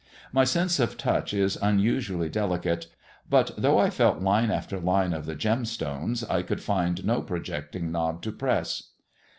My sense of touch is un usually delicate, but, though I felt line after line of the stones, I could find no projecting knob to press.